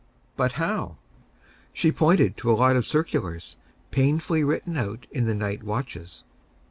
"But how?" She pointed to a lot of circulars, painfully written out in the night watches.